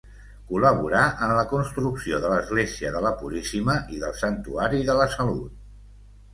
Col·laborà en la construcció de l'església de la Puríssima i del santuari de la Salut.